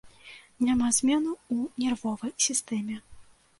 Няма зменаў у нервовай сістэме.